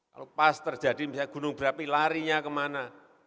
kalau pas terjadi misalnya gunung berapi larinya kemana